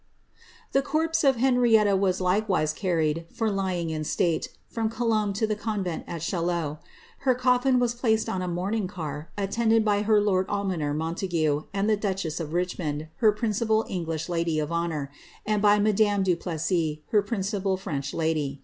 '' The corpse of Henrietta was likewise carried, for lying in state, froa Colombe to the convent at Chaillot.' Her coffin was placed oa i mourning car, attended by her lord almoner Montague and the dodiea of Richmond, her principal English lady of honour, and by madams dl Plessis, her principid French lady.